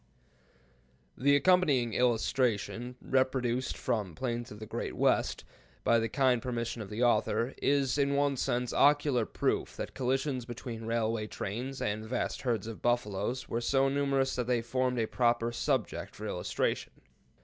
The accompanying illustration, reproduced from the "Plains of the Great West," by the kind permission of the author, is, in one sense, ocular proof that collisions between railway trains and vast herds of buffaloes were so numerous that they formed a proper subject for illustration.